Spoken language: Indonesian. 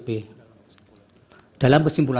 pertama kita berikan kesimpulan